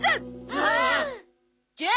ああ！